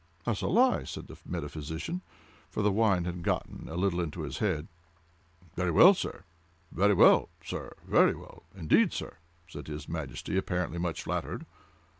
"That's a lie!" said the metaphysician, for the wine had gotten a little into his head. "Very well!—very well, sir!—very well, indeed, sir!" said his Majesty, apparently much flattered.